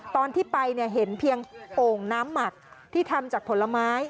ตอนที่ไปเนี่ยเห็นเพียงโอ่งน้ำหมักที่ทำจากผลไม้